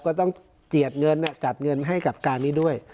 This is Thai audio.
ก็ต้องเจียดเงินจัดเงินให้กับการนี้ด้วย